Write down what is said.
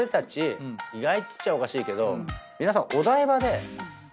意外っつっちゃおかしいけど皆さん。